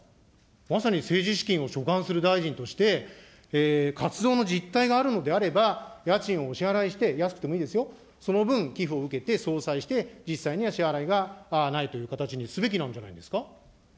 まさに政治資金を所管する大臣として、活動の実態があるのであれば、家賃をお支払いをして、安くてもいいですよ、その分、寄付を受けて相殺して、実際には支払いがないという形にすべきなんじゃないんですか。